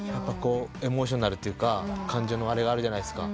エモーショナルっていうか感情のあれがあるじゃないですか。